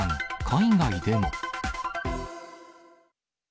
海外でも。